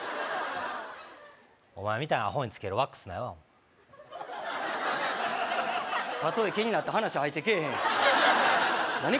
お前みたいなアホにつけるワックスないわたとえ気になって話入ってけえへん何？